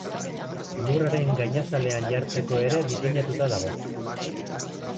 Lurraren gainazalean jartzeko ere diseinatuta dago.